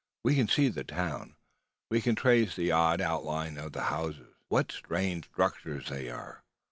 We can see the town. We can trace the odd outlines of the houses. What strange structures they are!